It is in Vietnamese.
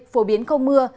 phổ biến không mưa